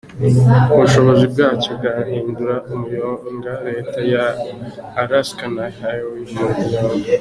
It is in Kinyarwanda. Ubushobozi bwacyo bwahindura umuyonda leta ya Alaska na Hawaii umuyonga.